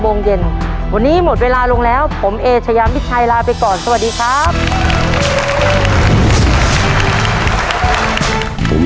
โมงเย็นวันนี้หมดเวลาลงแล้วผมเอเชยามิชัยลาไปก่อนสวัสดีครับ